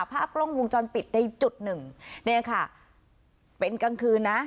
ภาพกล้องวงจรปิดในจุดหนึ่งเนี่ยค่ะเป็นกลางคืนนะ